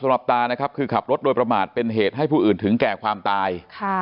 ตานะครับคือขับรถโดยประมาทเป็นเหตุให้ผู้อื่นถึงแก่ความตาย